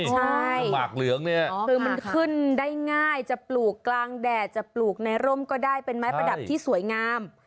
ใช่หมากเหลืองเนี่ยคือมันขึ้นได้ง่ายจะปลูกกลางแดดจะปลูกในร่มก็ได้เป็นไม้ประดับที่สวยงาม